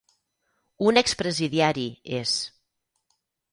Un expresidiari, és.